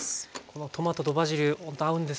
トマトとバジルほんと合うんですよね。